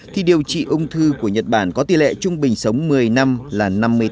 thì điều trị ung thư của nhật bản có tỷ lệ trung bình sống một mươi năm là năm mươi tám